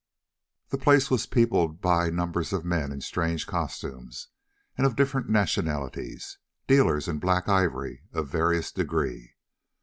The place was peopled by numbers of men in strange costumes, and of different nationalities; dealers in "black ivory" of various degree.